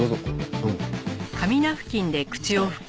どうも。